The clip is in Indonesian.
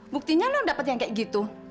buktinya anda dapat yang kayak gitu